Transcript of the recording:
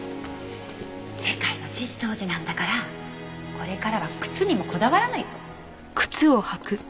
世界の実相寺なんだからこれからは靴にもこだわらないと。